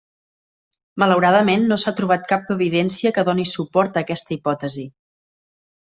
Malauradament no s'ha trobat cap evidència que doni suport a aquesta hipòtesi.